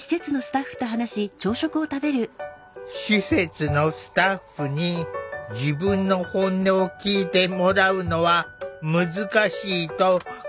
施設のスタッフに自分の本音を聴いてもらうのは難しいと感じてきた。